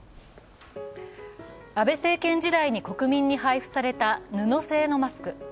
安倍政権時代に国民に配布された布製のマスク。